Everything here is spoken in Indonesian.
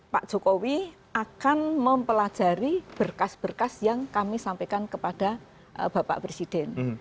pak jokowi akan mempelajari berkas berkas yang kami sampaikan kepada bapak presiden